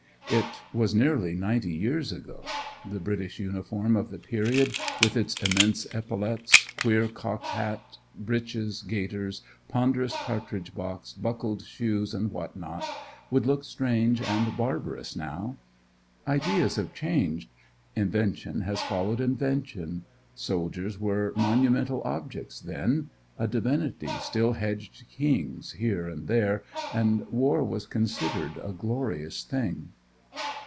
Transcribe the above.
It was nearly ninety years ago. The British uniform of the period, with its immense epaulettes, queer cocked hat, breeches, gaiters, ponderous cartridge box, buckled shoes, and what not, would look strange and barbarous now. Ideas have changed; invention has followed invention. Soldiers were monumental objects then. A divinity still hedged kings here and there; and war was considered a glorious thing.